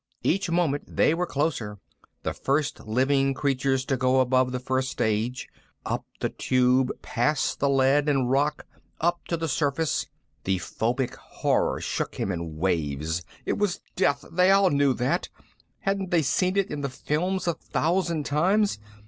Each moment they were closer, the first living creatures to go above the first stage, up the Tube past the lead and rock, up to the surface. The phobic horror shook him in waves. It was death; they all knew that. Hadn't they seen it in the films a thousand times?